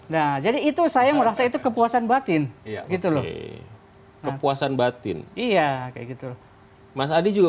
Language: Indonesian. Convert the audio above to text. nah jadi itu saya merasa itu kepuasan batin iya gitu loh kepuasan batin iya kayak gitu mas adi juga